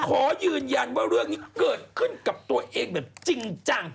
ขอยืนยันว่าเรื่องนี้เกิดขึ้นกับตัวเองแบบจริงจัง